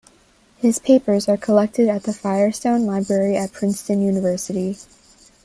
His papers are collected at the Firestone Library at Princeton University.